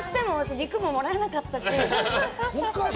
肉ももらえなかったし。